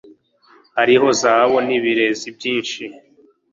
hariho zahabu n'ibirezi byinshi